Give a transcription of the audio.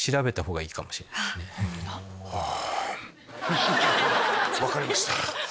はぁ分かりました。